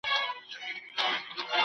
ویل صاحبه زموږ خو ټول ابرو برباد سوه